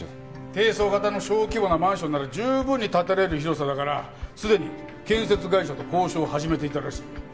低層型の小規模なマンションなら十分に建てられる広さだからすでに建設会社と交渉を始めていたらしい。